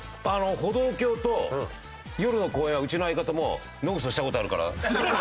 歩道橋と夜の公園はうちの相方も野糞した事あるから。